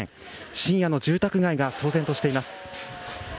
深夜の住宅街が騒然としています。